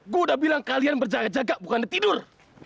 gue udah bilang kalian berjaga jaga bukan ditidur